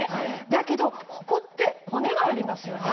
だけどここって骨がありますよね。